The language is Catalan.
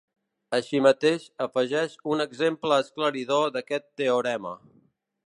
Així mateix afegeix un exemple esclaridor d'aquest teorema.